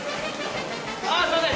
ああすいません。